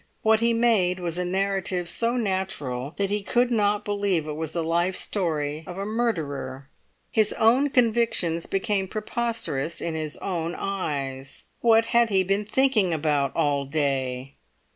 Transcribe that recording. What he made was a narrative so natural that he could not believe it was the life story of a murderer. His own convictions became preposterous in his own eyes. What had he been thinking about all day?